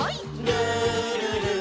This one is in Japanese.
「るるる」